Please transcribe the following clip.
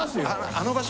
あの場所